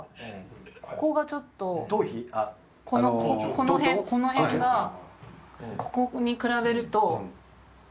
この辺この辺がここに比べると。